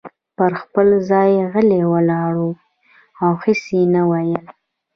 پر خپل ځای غلی ولاړ و او هیڅ یې نه ویل.